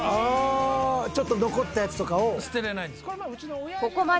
ちょっと残ったやつとかを。